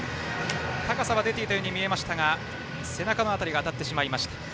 高さは出ていたように見えましたが背中の辺りが当たってしまいました。